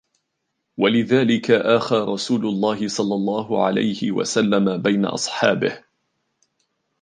وَلِذَلِكَ آخَى رَسُولُ اللَّهِ صَلَّى اللَّهُ عَلَيْهِ وَسَلَّمَ بَيْنَ أَصْحَابِهِ